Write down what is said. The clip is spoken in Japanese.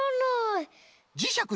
じしゃく